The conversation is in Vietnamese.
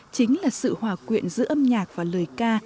chính là sự hòa quyện giữa âm nhạc và lời ca